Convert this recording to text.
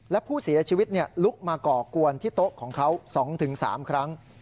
และผู้เสียชีวิตลุกมาก่อกวนที่โต๊ะของเขา๒๓ครั้ง